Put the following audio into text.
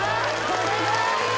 これはいい